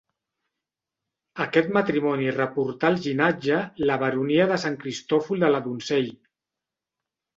Aquest matrimoni reportà al llinatge la baronia de Sant Cristòfol de la Donzell.